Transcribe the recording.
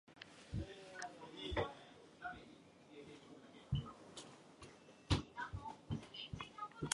His by-election defeat resulted in his resignation as party leader.